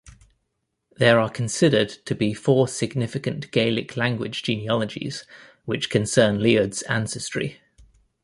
There are considered to be four significant Gaelic-language genealogies which concern Leod's ancestry.